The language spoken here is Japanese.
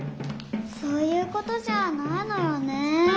そういうことじゃないのよね。